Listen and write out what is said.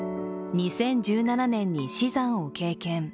２０１７年に死産を経験。